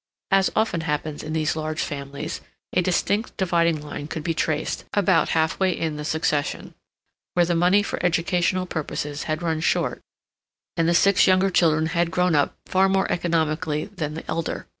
As often happens in these large families, a distinct dividing line could be traced, about half way in the succession, where the money for educational purposes had run short, and the six younger children had grown up far more economically than the elder.